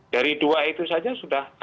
dari dua itu saja sudah